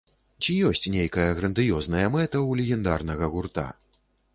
Ці ёсць нейкая грандыёзная мэта ў легендарнага гурта?